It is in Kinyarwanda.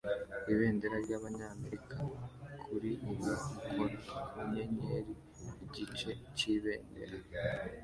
ibendera ryabanyamerika kuri ubu ukora ku nyenyeri igice cyibendera